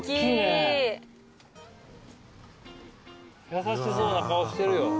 優しそうな顔してるよ。